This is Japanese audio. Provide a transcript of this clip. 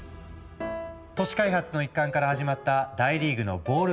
都市開発の一環から始まった大リーグのボール